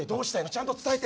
ちゃんと伝えて。